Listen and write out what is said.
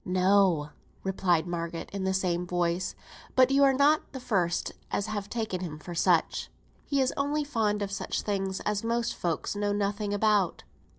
"No," replied Margaret, in the same voice; "but you're not the first as has taken him for such. He is only fond of such things as most folks know nothing about."